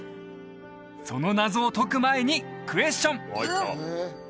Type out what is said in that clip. その謎を解く前にクエスチョン！